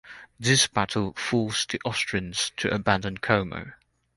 This battle forced the Austrians to abandon Como.